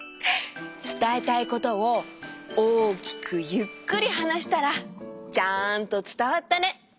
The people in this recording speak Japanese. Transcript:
つたえたいことを大きくゆっくりはなしたらちゃんとつたわったね。